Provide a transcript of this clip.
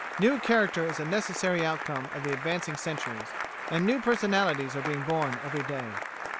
New character is a necessary outcome of the advancing centuries, and new personalities are being born every day.